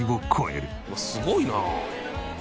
すごいなあ！